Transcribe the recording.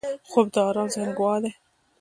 خوب د آرام ذهن ګواه دی